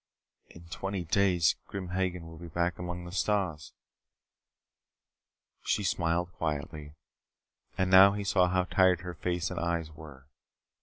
"In twenty days Grim Hagen will be back among the stars " She smiled quietly. And now he saw how tired her face and eyes were.